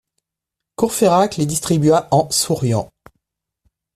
Courfeyrac les distribua en souriant.